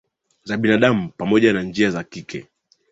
za binadamu pamoja na njia za kike